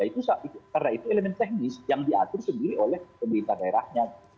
karena itu elemen teknis yang diatur sendiri oleh pemerintah daerahnya